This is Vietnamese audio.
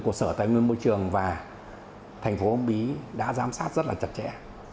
của sở tài nguyên môi trường và thành phố uông bí đã giám sát rất là chặt chẽ